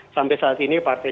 sampai saat ini